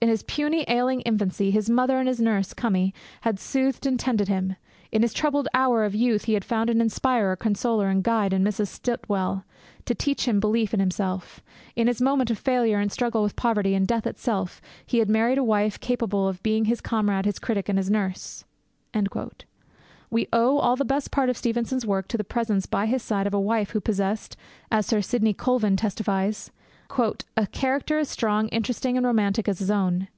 'In his puny, ailing infancy, his mother and his nurse Cummie had soothed and tended him; in his troubled hour of youth he had found an inspirer, consoler, and guide in Mrs. Sitwell to teach him belief in himself; in his moment of failure, and struggle with poverty and death itself, he had married a wife capable of being his comrade, his critic, and his nurse.' We owe all the best part of Stevenson's work to the presence by his side of a wife who possessed, as Sir Sidney Colvin testifies, 'a character as strong, interesting, and romantic as his own.